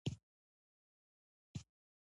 استازي ورغلل.